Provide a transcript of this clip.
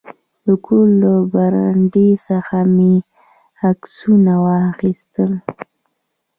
د کور له برنډې څخه مې عکسونه واخیستل.